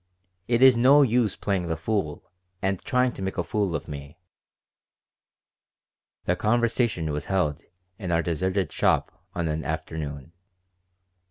It is no use playing the fool and trying to make a fool of me." The conversation was held in our deserted shop on an afternoon.